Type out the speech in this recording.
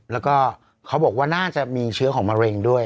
แล้วก็เขาบอกว่าน่าจะมีเชื้อของมะเร็งด้วย